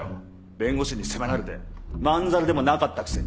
弁護士に迫られてまんざらでもなかったくせに。